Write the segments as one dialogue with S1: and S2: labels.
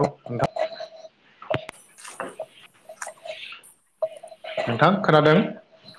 S1: औ नोंथां । नोंथां खोनादों?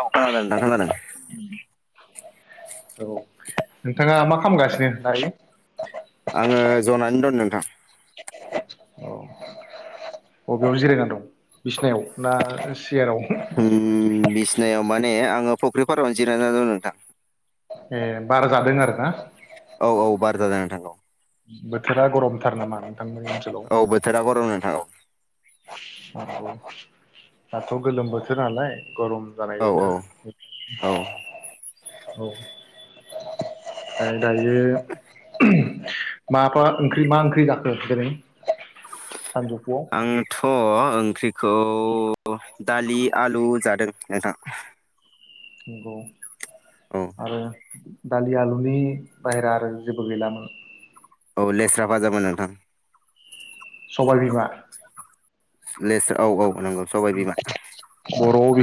S2: औ खोनादों नोंथां खोनादों ।
S1: औ नोंथाङा मा खालामगासिनो दायो?
S2: आङो जनानै द नोंथां
S1: अबेयाव जिरायनानै दं बिसिनायाव ना सियाराव?
S2: उम बिसिनायाव माने आङो फख्रिफारावनो जिराय दं नोंथां
S1: ए बार जादों आरोना
S2: औ औ बार जादों नोंथां औ
S1: बोथोरा गरमथार नामा? नोंथांमोननि ओनसोलाव
S2: औ बोथोरा गरम नोंथां औ
S1: [inaudible] दाथ गोलोम बोथोर नालाय गरम जानाय
S2: औ
S1: बोथोर
S2: औ
S1: औ [inaudible] दायो ओहोम माबा ओंख्रि मा ओंख्रि जाखो दिनै सानजुफुआव
S2: थ ओंख्रिखौ दालि आलु जादों नोंथां
S1: नंगौ
S2: औ
S1: आरो दालि आलुनि बाहेरा आरो जेबो गैलामोन?
S2: औ लेस्रा फाजामोन नोंथां
S1: सबाय बिमा
S2: लेस औ औ नांगौ सबाय बिमा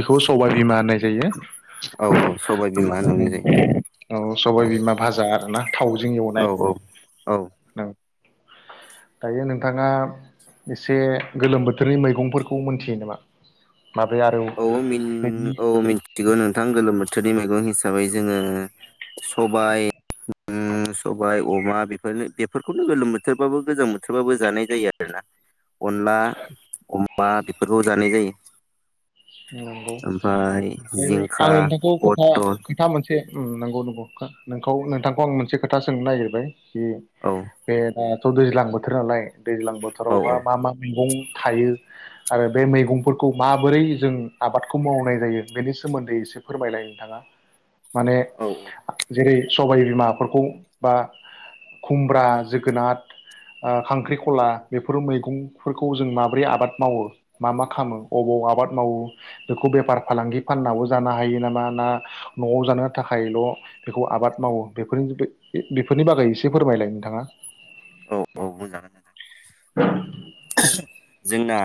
S1: खौ सबाय बिमा होननाय जायो
S2: औ औ सबाय बिमा होननानै जायो नोंथां
S1: औ सबाय बिमा भाजा आरोना थावजों एवनाय औ दायो नोंथाङा एसे गोलोम बोथोरनि मैगंफोरखौ मोनथियो नामा माबाया आरो
S2: औ मिन
S1: बेनि
S2: औ मिनथिगौ नोंथां गोलोम बोथोरनि मैगं सो हिसाबै जोङो सबाय उम सबाय अमा बेफोरनो बेफोरखौनो गोलोम बोथोरबाबो गोजां बोथोरबाबो जानाय जायो आरो ना अनला अम बा बेफोरखौ जानाय जायो ।
S1: नंगौ ओय आं
S2: जिंखा
S1: नोंथांखौ खोथा
S2: पटल
S1: खोथा मोनसे उम नंगौ नंगौ नोंखौ नोंथांखौ आं मोनसे खोथा सोंनो नागिरबाय
S2: औ
S1: [unintelligible] दैज्लां बोथोर नालाय दैज्लां
S2: औ
S1: बोथोरावहा मा मा मैगं थायो आरो बे मैगंफोरखौ माबोरै जों आबादखौ मावनाय जायो बेनि सोमोन्दै एसे फोरमायलाय नोंथाङा माने
S2: औ
S1: जेरै सबाय बिमाफोरखौ बा खुमब्रा जोगोनार ओ खांख्रिखला बेफोर मैगंफोरखौ जों माबोरै आबाद मावो मा मा खालामो अबाव आबाद मावो बेखौ बेफार फालांगि फाननाबो जानो हायो नामा ना नआव जानो थाखायल बेखौ आबाद मावो बेफोरनि जुदि बेफोरनि बागै एसे फोरमायलाय नोंथाङा
S2: औ औ बुंजागोन नोंथां
S1: [inaudible]
S2: जोंना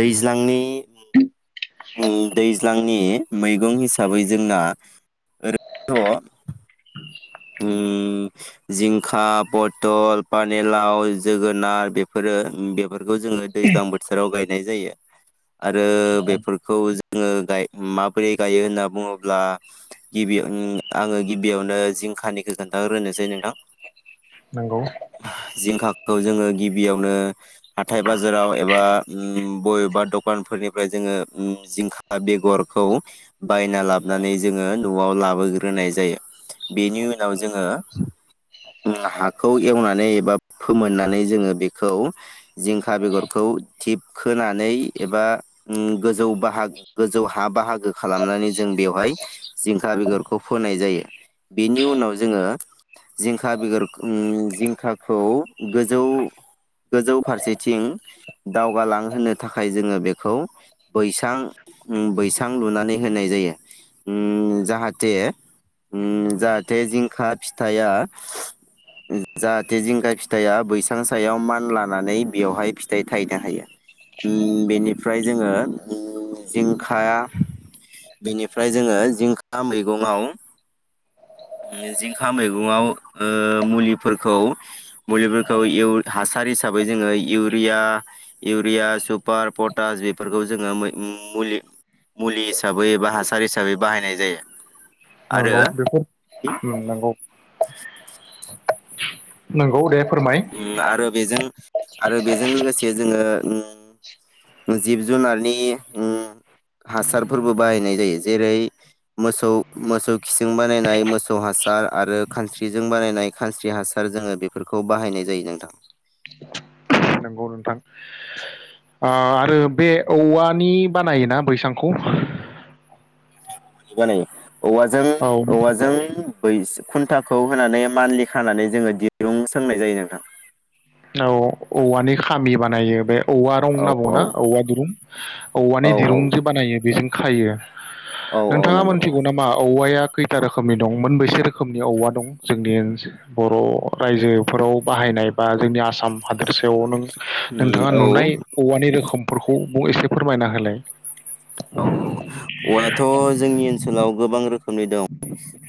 S2: दैज्लांनि उम दैज्लांनि मैगं हिसाबै जोंना ओरैनोथ उम जिंखा बथल पानिलाव जोगोनार बेफोरो बेफोर खौ जोङो दैज्लां बोथोराव गाय नाय जायो। आरो बेफोरखौ जों आङो गाय माबोरै गायो होनना बुङोब्ला गिबि ओम आङो गिबियावनो जिं खानिखौ खोनथा ग्रोनोसै नोंथां
S1: नंगौ
S2: खौ जोङो गिबियावनो हाथाय बाजाराव एबा उम बबेबा दखानफोरनिफ्राय जोङो उम जिंखा बेगरखौ बायना लाबोनानै जोङो न'आव लाबोग्रोनाय जायो । बेनि उनाव जोङो उम हाखौ एवनानै एबा फोमोननानै जोङो बेखौ जिंखा बेगरखौ थिबखोनानै एबा उम गोजौ बाहाग गोजौ हा बाहागो खालामनानै जों बेवहाय जिंखा बेगरखौ फोनाय जायो । बेनि उनाव जोङो जिंखा बेगर उम जिंखाखौ गोजौ गोजौ फारसेथिं दावगालांहोनो थाखाय जोङो बेखौ बैसां उम बैसां लुनानै होनाय जायो उम जाहाथे उम जाहाथे जिंखा फिथाया जाहाथे जिंखा फिथाइया बैसां सायाव मान लानानै बेवहाय फिथाइ थायनो हायो उम बेनिफ्राय जोङो उम जिंखा बेनिफ्राय जोङो जिंखा मैगंङाव उम जिंखा मैगङाव ओ मुलिफोरखौ मुलिफोरखौ इउ हासार हिसाबै जोङो इउरिया इउरिया सुपार पटास बेफोरखौ जोङो मै उम मुलि-मुलि हिसाबै एबा हासार हिसाबै बाहायनाय जायो ।
S1: नंगौ बेफोर नंगौ
S2: [inaudible]
S1: नंगौ दे। फोरमाय
S2: उम आरो बेजों आरो बेजों लोगोसे जोङो उम जिब जुनारनि उम हासारफोरबो बाहायनाय जायो जेरै मोसौ मोसौ खिसिं बानायनाय मोसौ हासार आरो खानस्रिजों बानायनाय खानस्रि हासार जोङो बेफोरखौ बाहायनाय जायो नोंथां
S1: नंगौ नोंथां ओ आरो बे औवानि बानायोना बैसांखौ
S2: [unintelligible] बानायो
S1: औ
S2: औवाजों-औवाजों बै खुन्थाखौ होनानै मान्थलि खानानै जोङो दिरुं सोंनाय जायो नोंथां।
S1: औ औवानि खामि बानायो बे औवा रं
S2: औ
S1: होनना
S2: औ
S1: बुङा औवा दिरुं औवानि
S2: औ
S1: दिरुंजों बानायो बेजों खायो
S2: औ औ
S1: नोंथाङा
S2: नंगौ औ
S1: मोनथिगौ नामा औवाया खैथा रोखोमनि दं मोनबेसे रोखोमनि औवा दं जोंनि बर' रायजोफोराव बाहायनाय बा जोंनि आसा आसाम हादोरसोयाव नों नोंथाङा
S2: उम
S1: नुनाय औवानि रोखोमफोरखौ मुं एसे फोरमायना होलाय
S2: औ औ औवायाथ' जोंनि ओनसोलाव गोबां रोखोम दं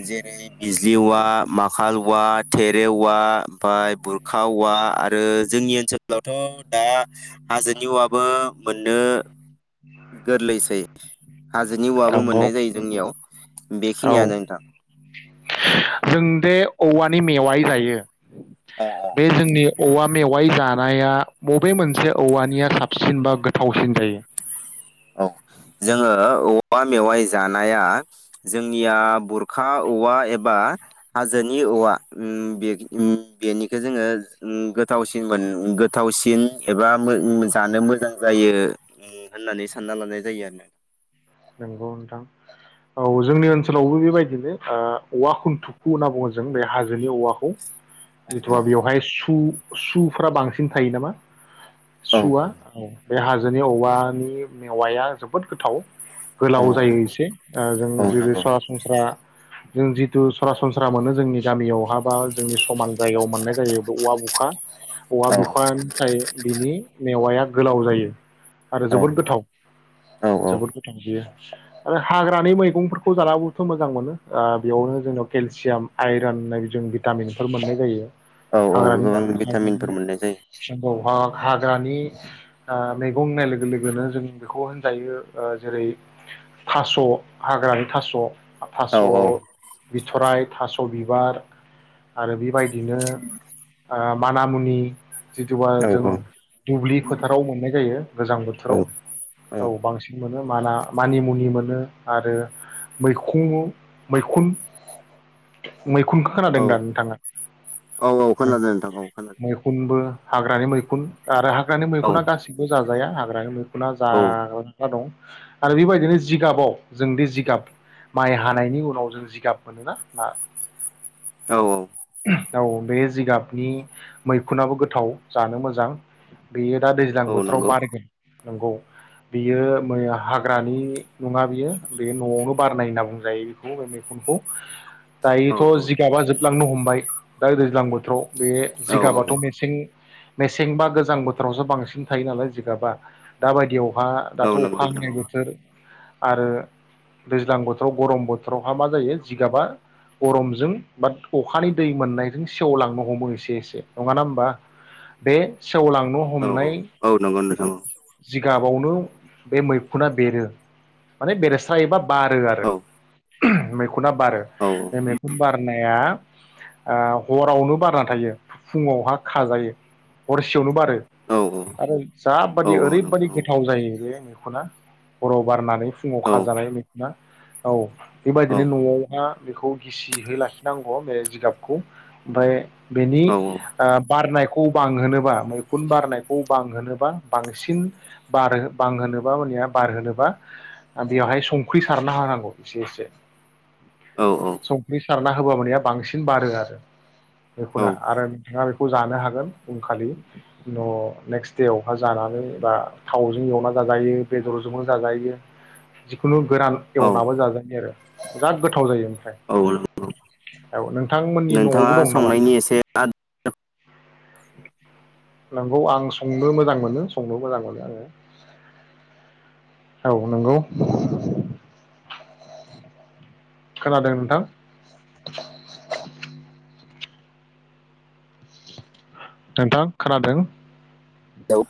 S2: जेरै जेउवा माखाल औवा थेरे औवा ओमफाय बुरखा औवा आरो जोंनि ओनसोलावथ' दा हाजोनि औवाबो मोननो गोरलैसै। बे हाजोनि औवाबो
S1: नंगौ
S2: मोननाय जायो जोंनियाव
S1: औ
S2: बेखिनियानो नोंथां।
S1: जों दे औवानि मेवाइ जायो।
S2: अ अ
S1: बे जोंनि औवा मेवाइ जानाया मबे मोनसे औवानिया साबसिन बा गो थावसिन जायो।
S2: औ जोङो औवा मेवाइ जानाया जोंनिया बुरखा औवा एबा हाजोनि औवा उम बे उम बेनिखौ जोङो उम गोथावसिन मोन गोथावसिन एबा उम जानो मोजां जायो उम होननानै सानना लानाय जायो आरो ना।
S1: नंगौ नोंथां औ जोंनि ओनसोलावबो बेबायदिनो ओ औवा खुन्थुखु होनना बुङो जों बे हाजोनि औवाखौ।
S2: औ
S1: जेथुवा बेवहाय सु सुफ्रा बांसिन थायो नामा? सुवा औ। बे हाजोनि औवानि मेवाया जोबोद गोथाव।
S2: औ
S1: गोलाव जायो एसे ओ जों
S2: औ
S1: जेरै
S2: नंगौ
S1: सरासनस्रा जों जिथु सरासनस्रा मोनो जोंनि गामियाव बहाबा जोंनि समान जायगायाव मोननाय जायो औवा बुखा औवा
S2: औ
S1: बिखवानिफ्राय बिनि मेवाया गोलाव जायो। आरो
S2: औ
S1: जोबोद गोथाव
S2: औ
S1: जोबोद गो बियो आरो हाग्रानि मैगंफोरखौ जानाबोथ मोजां मोनो आ बेयावनो जोंनाव केलसियाम आइरन होननाय भिटामिनफोर मोननाय जायो।
S2: औ औ
S1: हाग्रानि
S2: गोबां भिटामिनफोर
S1: हाग्रानि
S2: मोननाय जायो
S1: [inaudible] हाग्रानि आ मैगं होननाय लोगो लोगोनो जों बेखौ होनजायो ओ जेरै थास' हाग्रानि थास' थास'
S2: औ औ
S1: बिथराय, थास' बिबार आरो बि बायदिनो ओम मानामुनि जिथबा
S2: औ
S1: जों दुब्लि फोथाराव मोननाय जायो। गोजां
S2: औ
S1: बोथोराव औ बांसिन मोनो माना मानिमुनि मोनो आरो मैखुं मैखुन मैखुन खो
S2: औ
S1: खोनादों दा नोंथाङा?
S2: औ औ खोनादों नोंथां औ खोनादों
S1: मैखुनबो हाग्रानि मैखुन आरो हा ग्रानि
S2: औ
S1: मैखुना गासिबो जाजाया हाग्रानि मैखुना
S2: औ
S1: जाग दं आरो बे बायदिनो जिगाबाव जों दि जिगाब माइ हानायनि उनाव जों जिगाब मोनोना ना
S2: औ औ
S1: औ बे जिगाबनि मैखुनाबो गोथाव जानो मोजां बेयो दा दैज्लां
S2: औ
S1: बोथोराव
S2: नंगौ
S1: बारगोन नंगौ बियो मैया हाग्रानि नङा बियो बे नआवनो बारनाय होनना बुंजायो बेखौ बे मैखुनखौ
S2: औ
S1: दायोथ जिगाबा जोब लांनो हम बाय दा दैज्लां बोथोराव बे
S2: औ
S1: जिगाबाथ' मेसें मेसें बा गोजां बोथोरावसो बांसिन थायो नालाय जिगाबा दाबायदियाव वहा
S2: औ
S1: दाथ
S2: नंगौ
S1: अखा
S2: नोंथां
S1: हानाय बोथोर आरो दैज्लां बोथोराव गरम बोथोरावहा मा जायो जिगाबा गरमजों बा अ खानि दै मोननायजों सेवलांनो हमो एसे एसे नङा ना होमबा बे सेवलांनो
S2: औ
S1: हमनाय
S2: औ नंगौ नोंथां
S1: जिगाब बावनो बे मैखुना बेरो माने बेरेस्रा बा बारो आरो
S2: औ
S1: मैख खुना बारो
S2: औ
S1: बे मैखुन बारनाया ओ हरावनो बारना थायो फुङावहा खाजायो हरसेयावनो बारो
S2: औ
S1: आरो जाबादि
S2: औ
S1: ओरैबायदि
S2: नोंथां
S1: गोथाव जायो बे खना हराव बारनानै फुङाव
S2: औ
S1: खाजानाय मैखुना औ
S2: औ
S1: बेबायदिनो न'आवहा बेखौ गिसि‌ हो लासि‌ नांगौ अह बे जिगाबखौ ओमफाय बेनि
S2: औ
S1: ओ बारनाय खौ बांहोनोबा‌ मैखुन बारनायखौ बांहोनोबा बांसिन बारो बांहोनोबा होननाया बारहोनोबा बेयावहाय संख्रि सारना होनांगौ एसे एसे
S2: औ औ
S1: संख्रि सारना होबा माने बांसिन बारो आरो मैखुना आरो-आरोन खौ जानो हागोन उनखालि न नेकस्ट देयावहाय जानानै बा थावजों एवना जाजायो बेदरजोंनो जाजायो जिखुनु गोरान एवनाबो जाजायो आरो बिराद गोथाव जायो ओमफ्राय
S2: नंगौ
S1: औ नोंथांमोननि
S2: नोंथाङा संनायनि एसे आदब
S1: नोंखौ आं संनो मोजां मोनो औ नोंगौ खोनादों नोंथां [inaudible] नोंथां खोनादों
S2: हेलोउ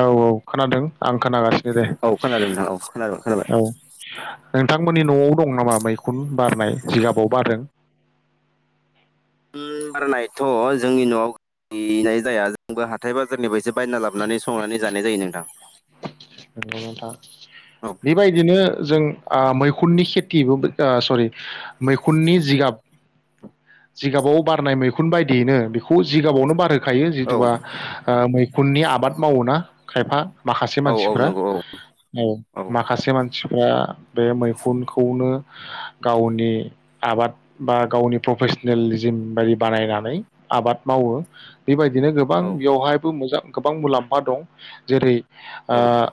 S1: औ औ खोनादों आं खोनागासिनो दे
S2: औ खोनादों नोंथां औ खोनाबाय खोनाबाय
S1: औ नोंथांमोननि नआव दं नामा मैखुन बारनाय जिगाबाव बारदों?
S2: मैखुन बारनायथ जोंनि नआव गैनाय जाया जोंबो हाथाय बाजारनिफ्रायसो बायना लाब बोनानै संनानै जानाय जायो नोंथां।
S1: नंगौ नोंथां
S2: औ
S1: बेबायदिनो जों ओ मैखुननि खेथिबो ओ सरि मैखुननि जिगाब जिगाबाव बारनाय मैखुन बायदियैनो बेखौ जिगाबावनो बारो खायो
S2: औ
S1: जिथुुबा ओ मैखुननि आबाद मावोना खायफा माखासे
S2: औ
S1: मानसि
S2: औ नंगौ
S1: औ माखासे मान मानसिफ्रा बे मैखुनखौनो गावनि आबाद बा गावनि प्रफेसनेल जिम बायदि बानायनानै आबाद मावो। बेबायदिनो गोबां
S2: औ
S1: बेवहायबो मोजां गोबां मुलाम्फा दं जेरै
S2: औ
S1: ओ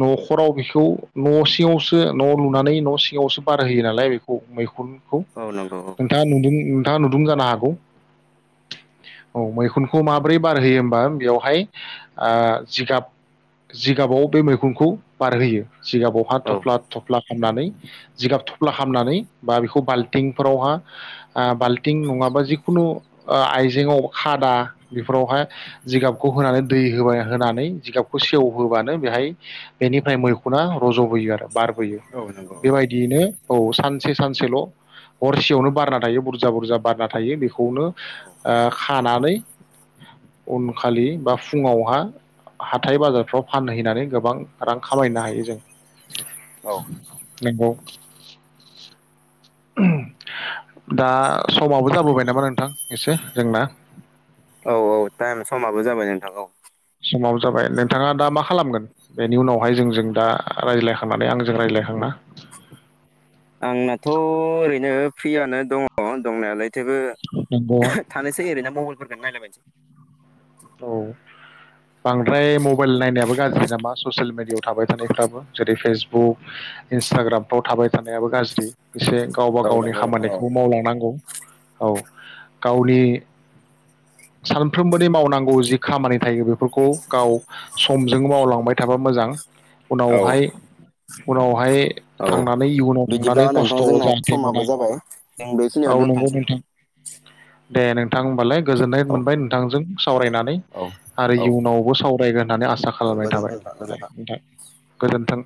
S1: नखराव बेखौ न' सिङावसो न' लुनानै न' सिङावसो बाराय होयो नालाय बेखौ मैखुन
S2: औ नंगौ
S1: नोंथाङा नुदों थाङा नुदुं जानो हागौ औ मैखुनखौ माबोरै बारहोयो होमबा बेवहाय जिगाब जिगाबाव बे मैखुनखौ बारहोयो। जिगाबावहा
S2: औ
S1: थफ्ला थफ्ला खालामनानै जिगाब थफ्ला खालामनानै बा बेखौ बाल्टिंफोरावहा बाल्थिं नङाबा जिखुनु आइजेंआव खादा बेफोरावहाय जिगाबखौ होनानै दै होबाय होनानै जिगाबखौ सेव होबानो बेहाय बेनिफ्राय मैखुना रजबोयो आरो। बारबोयो
S2: औ नंगौ औ
S1: बेबायदियैनो औ सान से सानसेल हरसेयावनो बारना थायो बुरजा बुरजा बारना थायो बेखौ खौनो खानानै उनखालि बा फुङावहा हाथाय बाजारफ्राव फानहैनानै गोबां रां खामायनो हायो जों।
S2: औ
S1: [unintelligible] नंगौ दा समाबो जाबोबाय नामा नोंथां एसे जोंना?
S2: औ-औ टाइम समाबो जाबाय नोंथां औ।
S1: समाबो जाबाय नोंथाङा दा मा खालामगोन बेनि उनावहाय जोंजों दा रायज्लायखांनानै आंजों रायज्लायखांना
S2: आंनाथ ओरैनो फ्रियानो दङ दंनायालाय थेवबो
S1: नंगौ
S2: थानोसै ओरैनो मबाइलफोरखौ नायलायबायनोसै।
S1: औ बांद्राय मबाइल नायनायाबो गाज्रि नामा ससियेल मेडियाआव थाबाय थानायफ्राबो जेरै फेसबुक इन्सटाग्रामफ्राव थाबाय थानायाबो गाज्रि। एसे गावबा
S2: औ
S1: गावनि
S2: नंगौ नंगौ
S1: खामानिखौबो मावलांनांगौ। औ गावनि सानफ्रोमबोनि मावनां गौ जि खामानि थायो बेफोरखौ गाव समजों मावलांबाय थाबा मोजां।
S2: औ
S1: उनावहाय उनावहाय
S2: औ
S1: थांनानै इयुनाव
S2: बिदिब्ला
S1: थांनानै
S2: नोंथां
S1: खस्थ'
S2: जोंना
S1: जाहाथे मोना
S2: समाबो जाबाय जों
S1: औ
S2: बेखिनियावनो
S1: नंगौ
S2: दोनथांसै
S1: नोंथां
S2: नामा?
S1: दे नोंथां होमबालाय। गोजोननाय
S2: औ
S1: मोनबाय नोंथांजों।
S2: औ
S1: आरो
S2: औ
S1: इयुनावबो सावरायगोन होननानै आसा
S2: औ
S1: खालामनाय थाबाय
S2: गोजोनथों नोंथां
S1: दे
S2: गोजोनथों
S1: नोंथां गोजोन्थों।